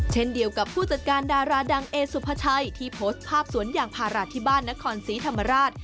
เช่นเดียวกับผู้จัดการดาราดังเอสุภาชัยที่โพสต์ภาพสวนยางพาราที่บ้านนครศรีธรรมราช